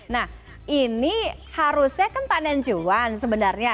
nah ini harusnya kan panen cuan sebenarnya